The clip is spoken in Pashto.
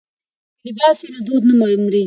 که لباس وي نو دود نه مري.